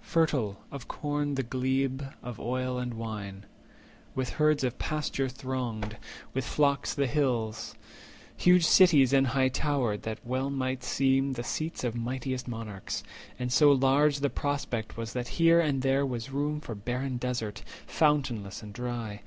Fertil of corn the glebe, of oil, and wine; With herds the pasture thronged, with flocks the hills; 260 Huge cities and high towered, that well might seem The seats of mightiest monarchs; and so large The prospect was that here and there was room For barren desert, fountainless and dry.